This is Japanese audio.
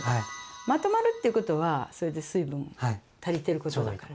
まとまるっていうことはそれで水分足りてることだから。